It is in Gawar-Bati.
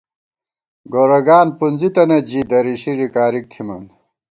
گورَگان پُنزِی تنَئیت ژِی ، دَریشی رِکارِک تھمان